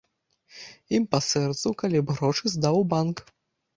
Ім па сэрцу, калі б грошы здаў у банк.